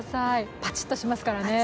パチッとしますからね。